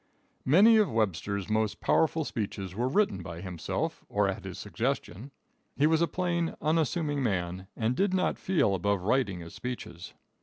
Many of Webster's most powerful speeches were written by himself or at his suggestion. He was a plain, unassuming man, and did not feel above writing his speeches.